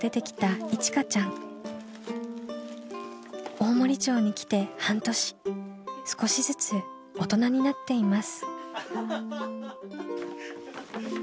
大森町に来て半年少しずつ大人になっています。